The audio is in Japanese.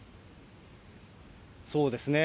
そうですね。